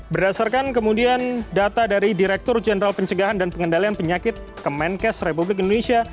berdasarkan kemudian data dari direktur jenderal pencegahan dan pengendalian penyakit kemenkes republik indonesia